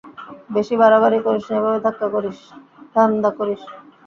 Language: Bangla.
বেশি বাড়াবাড়ি করিস না এভাবে ধান্ধা করিস?